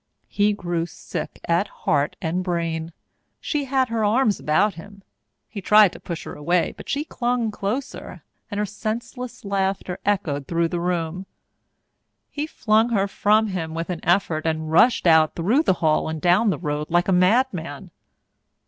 He grew sick at heart and brain; she had her arms about him. He tried to push her away, but she clung closer, and her senseless laughter echoed through the room. He flung her from him with an effort and rushed out through the hall and down the road like a madman.